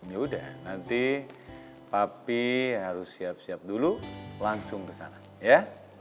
ya udah nanti papi harus siap siap dulu langsung ke sana ya